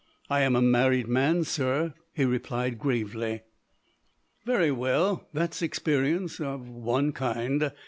"I am a married man, sir," he replied gravely. "Very well; that's experience of one kind.